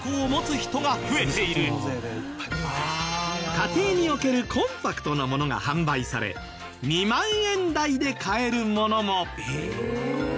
家庭に置けるコンパクトなものが販売され２万円台で買えるものも。